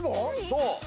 そう。